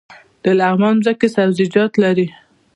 د لغمان ځمکې سبزیجات لري